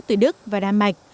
từ đức và đan mạch